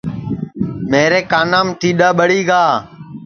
میرے کانام ٹیڈؔا ٻڑی گا